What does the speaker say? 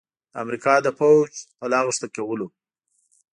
د امریکا د پوځ په لاغښتلي کولو